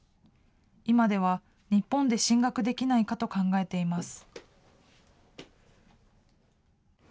今では日本で進学できないかと考えています。